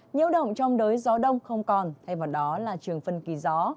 nhiễu động trong đới gió đông không còn thay vào đó là trường phân kỳ gió